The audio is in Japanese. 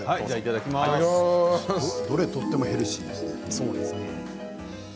どれをとってもヘルシーですね。